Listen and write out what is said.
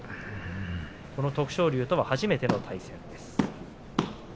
この徳勝龍とは初めての対戦です。